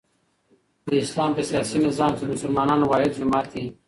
د اسلام په سیاسي نظام کښي د مسلمانانو واحد جماعت يي.